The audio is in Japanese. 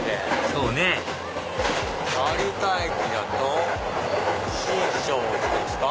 そうね成田駅だと新勝寺ですか。